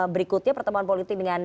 berikutnya pertemuan politik dengan